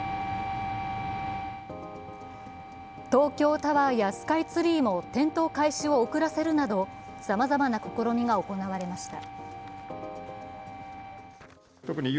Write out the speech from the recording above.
東京タワーやスカイツリーも点灯開始を遅らせるなど、さまざまな試みが行われました。